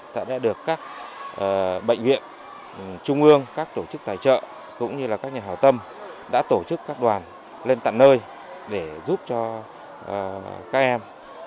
tại đây được các bệnh viện trung ương các tổ chức tài trợ cũng như các nhà hào tâm đã tổ chức các đoàn lên tặng nơi để giúp cho các em